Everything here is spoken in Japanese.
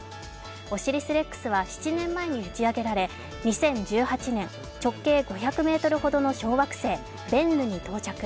「オシリス・レックス」は７年前に打ち上げられ２０１８年、直径５００ｍほどの小惑星・ベンヌに到着。